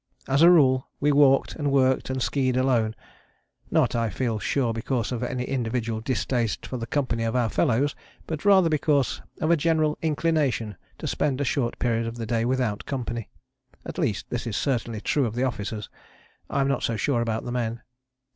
As a rule we walked and worked and ski ed alone, not I feel sure because of any individual distaste for the company of our fellows but rather because of a general inclination to spend a short period of the day without company. At least this is certainly true of the officers: I am not so sure about the men.